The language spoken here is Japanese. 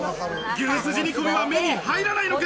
牛すじ煮込みは目に入らないのか？